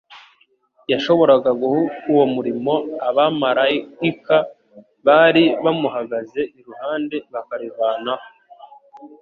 Yashoboraga guha uwo murimo abamaraika bari bamuhagaze iruhande bakarivanaho.